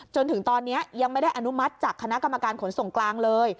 จนถึงตอนนี้ยังไม่ได้อนุมัติจากคณะกรรมการขนส่งกลางเลย